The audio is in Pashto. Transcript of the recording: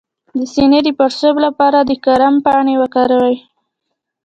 د سینې د پړسوب لپاره د کرم پاڼې وکاروئ